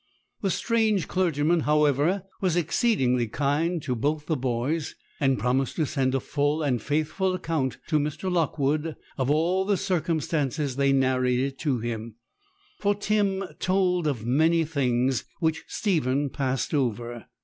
The strange clergyman, however, was exceedingly kind to both the boys, and promised to send a full and faithful account to Mr. Lockwood of all the circumstances they narrated to him; for Tim told of many things which Stephen passed over.